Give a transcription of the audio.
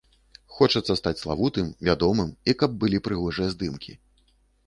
Хочацца стаць славутым, вядомым і каб былі прыгожыя здымкі.